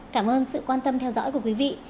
cảm ơn sự quan tâm theo dõi của quý vị